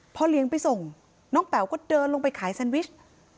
เลี้ยงไปส่งน้องแป๋วก็เดินลงไปขายแซนวิช